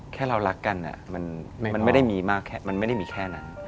แค่เรารักกันอ่ะมันไม่ได้มีแค่นั้น